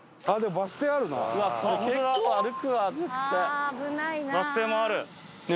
バス停もある。